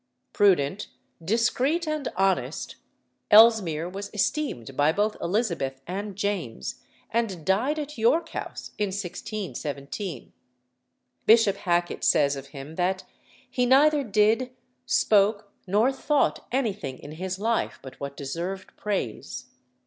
Prudent, discreet, and honest, Ellesmere was esteemed by both Elizabeth and James, and died at York House in 1617. Bishop Hacket says of him that "He neither did, spoke, nor thought anything in his life but what deserved praise."